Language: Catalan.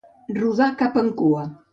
Rodar cap en cua.